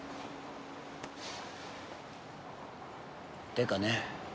てかね